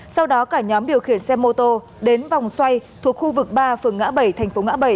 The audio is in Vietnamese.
sau đó cả nhóm điều khiển xe mô tô đến vòng xoay thuộc khu vực ba phường ngã bảy thành phố ngã bảy